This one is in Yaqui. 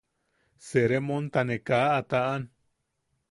Sermonta ne kaa a taʼan.